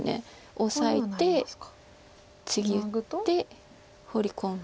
オサえてツギ打ってホウリ込んで。